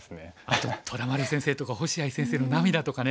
あと虎丸先生とか星合先生の涙とかね。